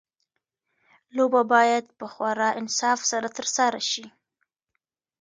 لوبه باید په خورا انصاف سره ترسره شي.